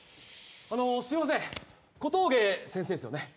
あのすいません小峠先生ですよね？